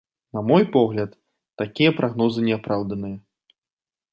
На мой погляд, такія прагнозы не апраўданыя.